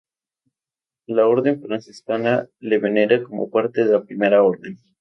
La Orden franciscana le venera como parte de la Primera Orden.